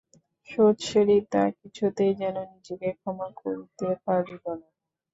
সুচরিতা কিছুতেই যেন নিজেকে ক্ষমা করিতে পারিল না।